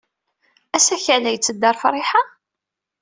Asakal-a yetteddu ɣer Friḥa?